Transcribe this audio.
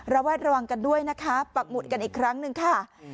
แวดระวังกันด้วยนะคะปักหมุดกันอีกครั้งหนึ่งค่ะ